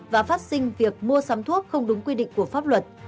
và phát sinh việc mua sắm thuốc không đúng quy định của pháp luật